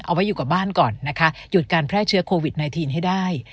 เอาไว้อยู่กับบ้านก่อนนะคะหยุดการแพร่เชื้อโควิด๑๙ให้ได้